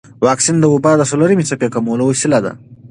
واکسن د وبا د څلورمې څپې د کمولو وسیله ده.